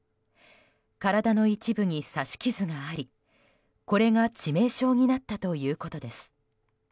体の一部に刺し傷がありこれが致命傷になったということです。